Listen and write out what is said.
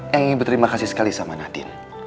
ingin berterima kasih sekali sama nadine